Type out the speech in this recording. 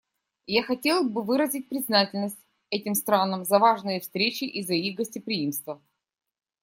Я хотел бы выразить признательность этим странам за важные встречи и за их гостеприимство.